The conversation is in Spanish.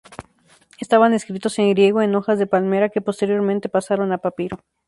Estaban escritos en griego, en hojas de palmera, que posteriormente pasaron a papiro.